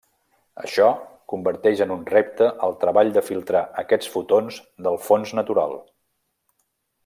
Això converteix en un repte el treball de filtrar aquests fotons del fons natural.